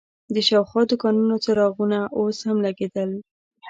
د شاوخوا دوکانونو څراغونه اوس هم لګېدل.